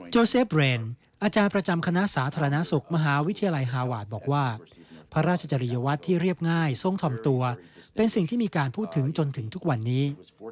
เซฟเรนอาจารย์ประจำคณะสาธารณสุขมหาวิทยาลัยฮาวาสบอกว่าพระราชจริยวัตรที่เรียบง่ายทรงถ่อมตัวเป็นสิ่งที่มีการพูดถึงจนถึงทุกวันนี้